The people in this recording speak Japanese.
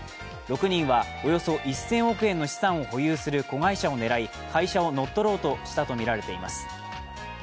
６人はおよそ１０００億円の資産を保有する子会社を狙い会社を乗っ取ろうとしたとみられています。